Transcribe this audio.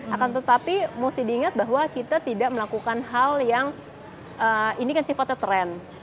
akan tetapi mesti diingat bahwa kita tidak melakukan hal yang ini kan sifatnya tren